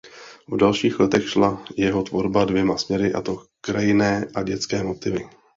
V dalších letech šla jeho tvorba dvěma směry a to "krajinné a dětské motivy".